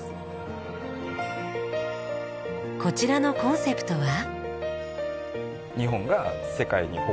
こちらのコンセプトは？